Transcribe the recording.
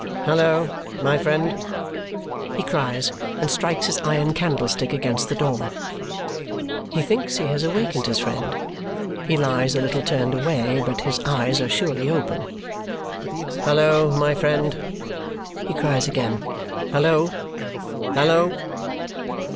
"Hallo, my friend!" he cries, and strikes his iron candlestick against the door. He thinks he has awakened his friend. He lies a little turned away, but his eyes are surely open. "Hallo, my friend!" he cries again. "Hallo! Hallo!"